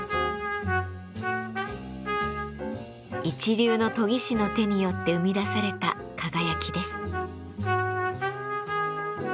一流の研ぎ師の手によって生み出された輝きです。